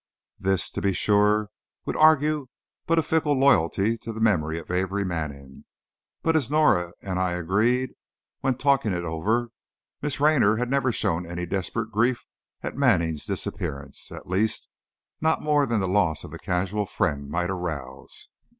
This, to be sure, would argue but a fickle loyalty to the memory of Amory Manning, but as Norah and I agreed, when talking it over, Miss Raynor had never shown any desperate grief at Manning's disappearance, at least, not more than the loss of a casual friend might arouse.